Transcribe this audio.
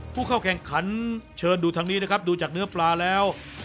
ผู้เข้าแข่งขันเชิญดูทางนี้นะครับดูจากเนื้อปลาแล้ว